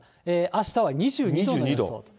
あしたは２２度の予想。